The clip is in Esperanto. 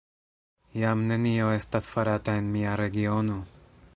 Jam nenio estas farata en mia regiono!